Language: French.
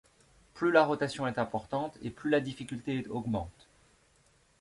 Plus la rotation est importante et plus la difficulté augmente.